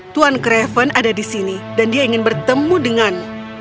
tuan craven ada di sini dan dia ingin bertemu dengan